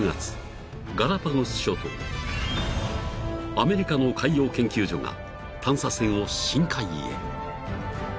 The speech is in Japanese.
［アメリカの海洋研究所が探査船を深海へ］